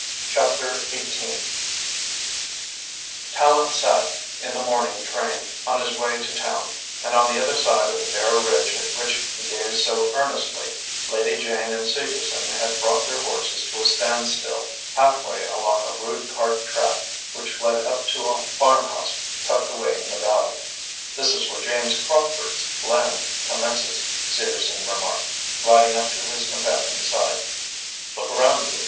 CHAPTER IV Tallente sat in the morning train, on his way to town, and on the other side of the bare ridge at which he gazed so earnestly Lady Jane and Segerson had brought their horses to a standstill half way along a rude cart track which led up to a farmhouse tucked away in the valley. "This is where James Crockford's land commences," Segerson remarked, riding up to his companion's side. "Look around you.